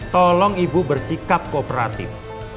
tolong ibu bersikap kooperatif